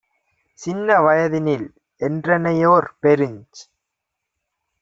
"சின்ன வயதினில் என்றனையோர் - பெருஞ்